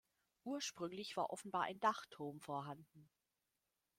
Ursprünglich war offenbar ein Dachturm vorhanden.